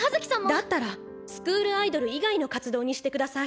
だったらスクールアイドル以外の活動にして下さい。